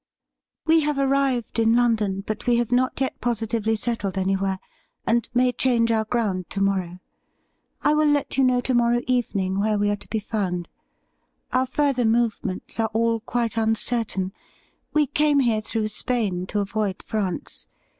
'We have arrived in London, but we have not yet positively settled anywhere, and may change our ground A LETTER AND A MEETING 179 to rOorrow. I will let you know to morrow evening where we are to be found. Our further movements are all quite uncertain. We came here through Spain to avoid France.